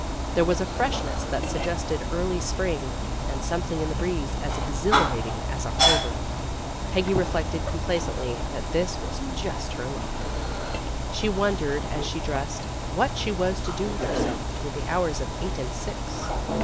There was a freshness that suggested early spring, and something in the breeze as exhilarating as October. Peggy reflected com placently that this was just her luck. She wondered, as she dressed, what she was to do with herself between the hours of eight and six.